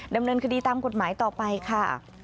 ดำเนินคดีตามกฎหมายต่อไปค่ะ